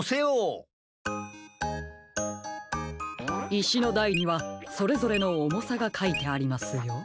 いしのだいにはそれぞれのおもさがかいてありますよ。